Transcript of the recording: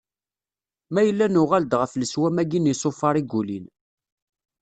Ma yella nuɣal-d ɣef leswam-agi n yisufar i yulin.